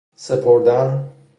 سپردن